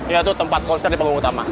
yaitu tempat konser di panggung utama